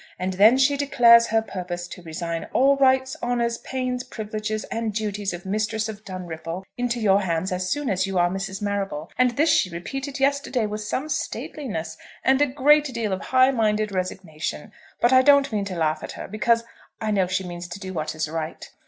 And then she declares her purpose to resign all rights, honours, pains, privileges, and duties of mistress of Dunripple into your hands as soon as you are Mrs. Marrable. And this she repeated yesterday with some stateliness, and a great deal of high minded resignation. But I don't mean to laugh at her, because I know she means to do what is right.